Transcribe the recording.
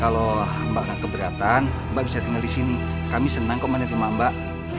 kalau mbak keberatan mbak bisa tinggal di sini kami senang kok menerima mbak